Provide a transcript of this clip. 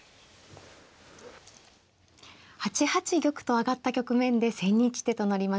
８八玉と上がった局面で千日手となりました。